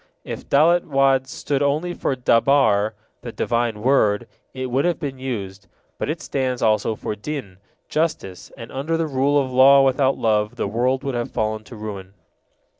If Dalet had stood only for Dabar, the Divine Word, it would have been used, but it stands also for Din, justice, and under the rule of law without love the world would have fallen to ruin.